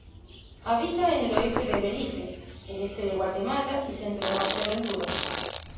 Habita en el oeste de Belice, el este de Guatemala y centro-norte de Honduras.